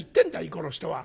この人は。